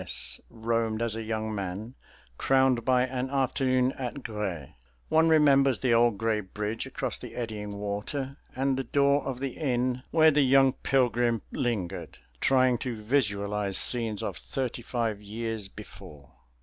S. roamed as a young man, crowned by an afternoon at Grez. One remembers the old gray bridge across the eddying water, and the door of the inn where the young pilgrim lingered, trying to visualize scenes of thirty five years before.